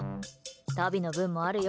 タビの分もあるよ。